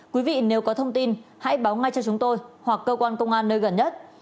quý vị nếu có thông tin hãy báo ngay cho chúng tôi hoặc cơ quan công an nơi gần nhất